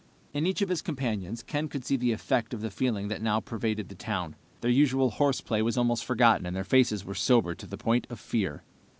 In each of his companions, Ken could see the effect of the feeling that now pervaded the town. Their usual horseplay was almost forgotten, and their faces were sober to the point of fear.